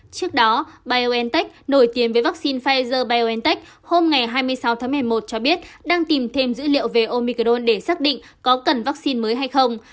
trước đó biontech nổi tiếng với vaccine pfizer biontech hôm hai mươi sáu tháng một mươi một cho biết đang tìm thêm dữ liệu về omicron để xác định có cần vaccine mới hay không